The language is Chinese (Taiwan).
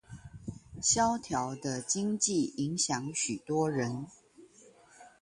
蕭條的經濟影響許多人